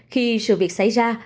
khi sự việc xảy ra